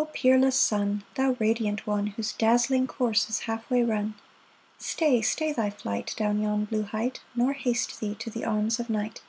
0 peerless Sun, Thou radiant one Whose dazzling course is half way run, Stay, stay thy flight Down yon blue height. Nor haste thee to the arms of night!